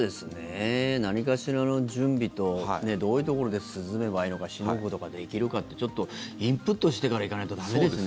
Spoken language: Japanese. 何かしらの準備とどういうところで涼めばいいのかしのぐことができるかってインプットしてから行かないと駄目ですね。